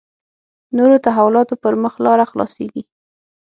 نورو تحولاتو پر مخ لاره خلاصېږي.